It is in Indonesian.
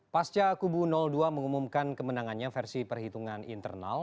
pasca kubu dua mengumumkan kemenangannya versi perhitungan internal